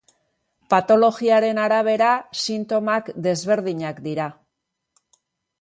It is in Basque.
Patologiaren arabera sintomak desberdinak dira.